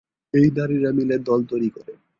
এই নারীরা মিলে দল তৈরি করে।